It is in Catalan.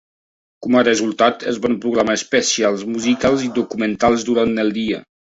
Com a resultat, es van programar especials musicals i documentals durant el dia.